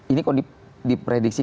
ini kalau diprediksi